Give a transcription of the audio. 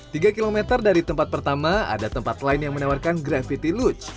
tiga km dari tempat pertama ada tempat lain yang menawarkan gravity lucch